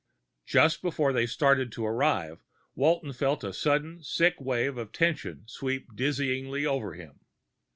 Just before they started to arrive, Walton felt a sudden sick wave of tension sweep dizzyingly over him.